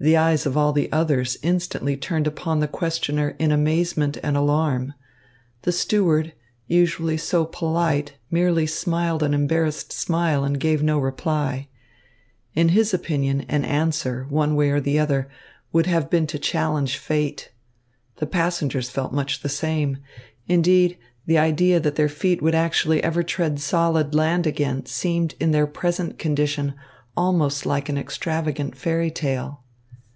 The eyes of all the others instantly turned upon the questioner in amazement and alarm. The steward, usually so polite merely smiled an embarrassed smile and gave no reply. In his opinion an answer, one way or the other, would have been to challenge fate. The passengers felt much the same. Indeed, the idea that their feet would actually ever tread solid land again seemed in their present condition almost like an extravagant fairy tale.